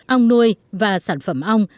ong nuôi và sản phẩm ong